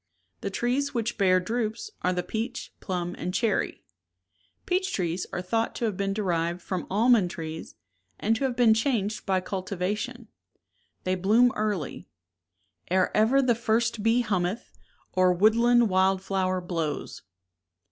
The trees which bear drupes are the peach, plum, /ii^ and clierry. (i^ /^' Peach trees are t:^ ^ thought to have been derived from almond trees and to have been changed by cultivation. They bloom early, Ere ever the first bee hummeth, Or woodland wild flower blows.